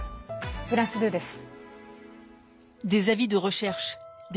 フランス２です。